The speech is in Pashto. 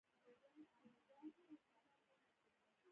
د ترانسپورت وزارت ټرافیک تنظیموي